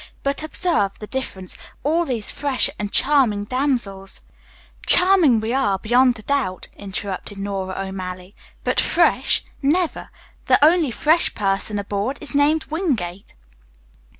But, observe the difference, all these fresh and charming damsels " "Charming we are, beyond a doubt," interrupted Nora O'Malley, "but fresh never. The only fresh person aboard is named Wingate."